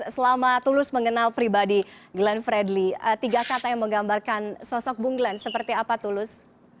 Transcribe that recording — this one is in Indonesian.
selama tulus mengenal pribadi glenn fredly tiga kata yang menggambarkan sosok bung glenn seperti apa tulus